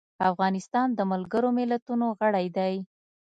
افغانستان د ملګرو ملتونو غړی دی.